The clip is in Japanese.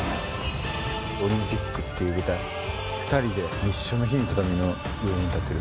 オリンピックっていう舞台２人で一緒の日に畳の上に立てる。